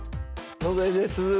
野添です。